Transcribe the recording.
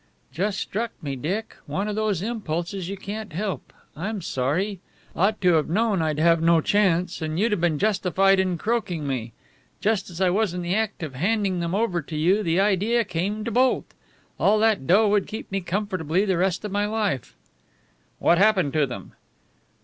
"Just struck me, Dick one of those impulses you can't help. I'm sorry. Ought to have known I'd have no chance, and you'd have been justified in croaking me. Just as I was in the act of handing them over to you the idea came to bolt. All that dough would keep me comfortably the rest of my life." "What happened to them?"